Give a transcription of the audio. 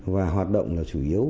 và hoạt động là chủ yếu